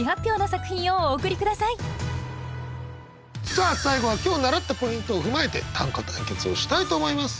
さあ最後は今日習ったポイントを踏まえて短歌対決をしたいと思います。